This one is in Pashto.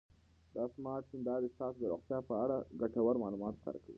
دا سمارټ هېندارې ستاسو د روغتیا په اړه ګټور معلومات ښکاره کوي.